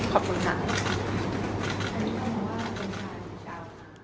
ขอบคุณค่ะ